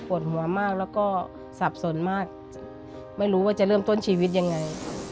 หัวมากแล้วก็สับสนมากไม่รู้ว่าจะเริ่มต้นชีวิตยังไง